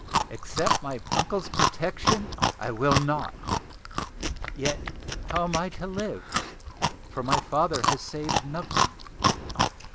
Accept my uncle's protection I will not; yet how am I to live, for my father has saved nothing?